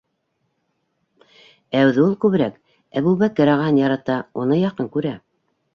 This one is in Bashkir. Ә үҙе ул күберәк Әбүбәкер ағаһын ярата, уны яҡын күрә.